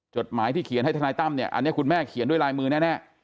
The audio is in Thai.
จดหมายที่เขียนให้ทนายตั้มเนี่ยอันนี้คุณแม่เขียนด้วยลายมือแน่